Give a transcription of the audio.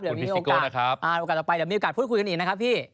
เดี๋ยวมีอากาศพูดซักครั้งกันอีกนะครับพี่